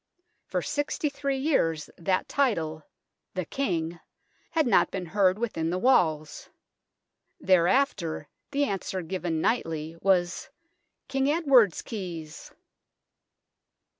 For sixty three years that title "The King" had not been heard within the walls. Thereafter the answer given nightly was " King Edward's keys."